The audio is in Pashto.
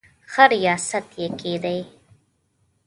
ښه ریاست یې کېدی.